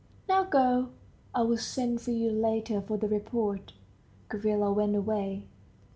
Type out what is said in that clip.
Now go. I will send for you later for the report." Gavrila went away.